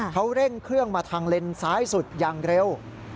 เขาเร่งเครื่องมาทางเลนซ้ายสุดอย่างเร็ว